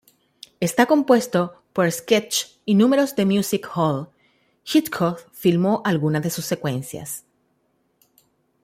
Está compuesto por sketches y números de music-hall, Hitchcock filmó algunas de sus secuencias.